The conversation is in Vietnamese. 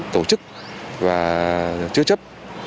tổ chức và chứa chấp